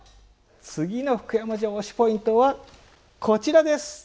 次の福山城推しポイントはこちらです！